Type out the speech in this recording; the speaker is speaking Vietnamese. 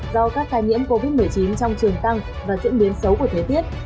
do các tai nhiễm covid một mươi chín trong trường tăng và diễn biến xấu của thế tiết